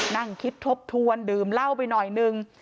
นั่งคิดทบทวนดื่มเหล้าไปหน่อยนึง